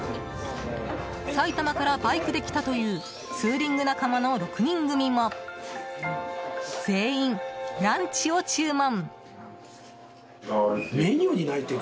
埼玉からバイクで来たというツーリング仲間の６人組も全員ランチを注文。